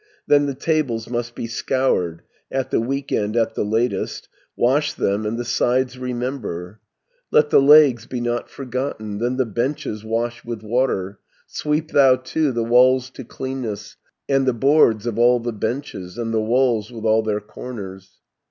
"Then the tables must be scoured, At the week end at the latest; Wash them, and the sides remember, Let the legs be not forgotten; Then the benches wash with water, Sweep thou too the walls to cleanness, And the boards of all the benches, And the walls with all their corners.